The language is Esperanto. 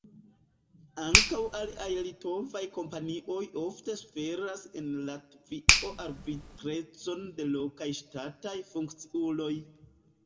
Ankaŭ aliaj litovaj kompanioj ofte suferas en Latvio arbitrecon de lokaj ŝtataj funkciuloj.